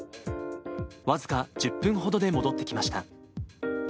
僅か１０分ほどで戻ってきました。